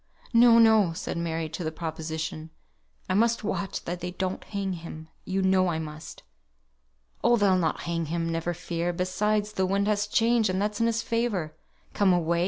"No! no!" said Mary, to this proposition. "I must be here, I must watch that they don't hang him, you know I must." "Oh! they'll not hang him! never fear! Besides the wind has changed, and that's in his favour. Come away.